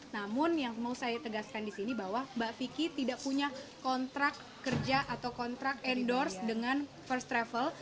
namun yang mau saya tegaskan di sini bahwa mbak vicky tidak punya kontrak kerja atau kontrak endorse dengan first travel